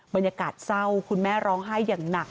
บรรยากาศเศร้าคุณแม่ร้องไห้อย่างหนัก